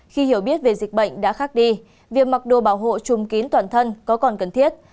khi hiểu biết về dịch bệnh đã khác đi việc mặc đồ bảo hộ chùm kín toàn thân có còn cần thiết